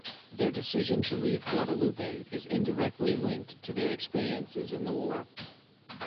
Their decision to leave Guadalupe is indirectly linked to their experiences in the war.